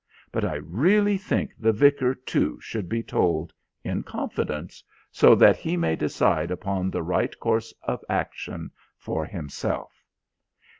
But I really think the Vicar too, should be told, in confidence, so that he may decide upon the right course of action for himself."